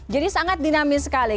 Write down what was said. jadi sangat dinamis sekali